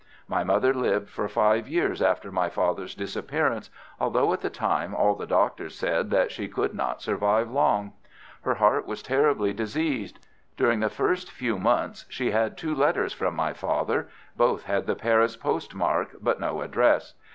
My mother lived for five years after my father's disappearance, although at the time all the doctors said that she could not survive long. Her heart was terribly diseased. During the first few months she had two letters from my father. Both had the Paris post mark, but no address.